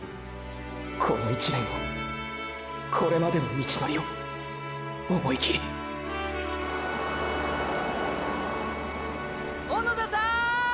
この１年をこれまでの道のりを思いきり小野田さーん！！